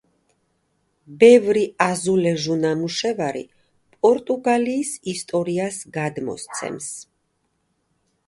ბევრი აზულეჟუ ნამუშევარი პორტუგალიის ისტორიას გადმოსცემს.